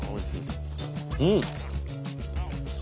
うん！